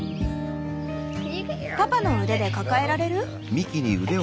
パパの腕で抱えられる？